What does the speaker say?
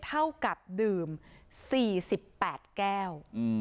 เท่ากับดื่ม๔๘แก้ว